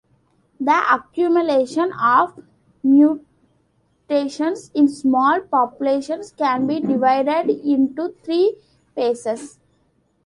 The accumulation of mutations in small populations can be divided into three phases.